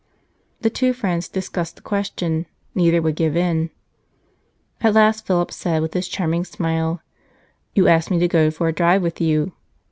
The two friends discussed the question, neither would give in ; at last Philip said, with his charm ing smile :" You asked me to go for a drive with you.